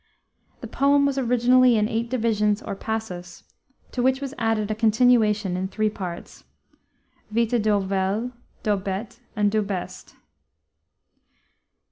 The poem was originally in eight divisions or "passus," to which was added a continuation in three parts, Vita Do Wel, Do Bet, and Do Best.